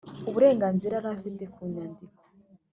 uburenganzira yari afite ku nyandiko